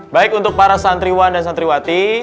baik untuk para santriwan dan santriwati